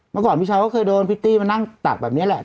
เมื่อก่อนพี่ชายก็เคยโดนพิตตี้มานั่งตักแบบนี้แหละ